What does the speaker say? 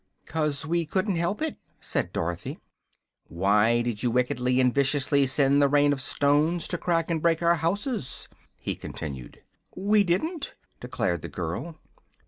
"'Cause we couldn't help it," said Dorothy. "Why did you wickedly and viciously send the Rain of Stones to crack and break our houses?" he continued. "We didn't," declared the girl.